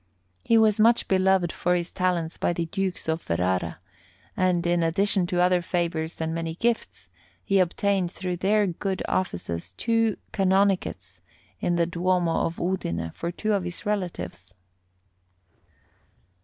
He was much beloved for his talents by the Dukes of Ferrara, and, in addition to other favours and many gifts, he obtained through their good offices two Canonicates in the Duomo of Udine for two of his relatives.